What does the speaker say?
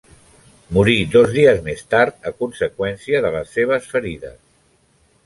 Morí dos dies més tard a conseqüència de les seves ferides.